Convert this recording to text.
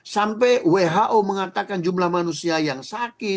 sampai who mengatakan jumlah manusia yang sakit